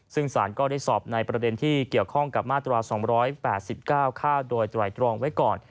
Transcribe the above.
ซึ่งสารก็ได้สอบในประเด็นที่เกี่ยวข้องกับมาตรา๒๘๙ฆ่าโดยไตรตรองไว้ก่อน